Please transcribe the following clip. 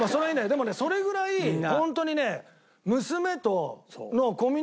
でもねそれぐらいホントにね。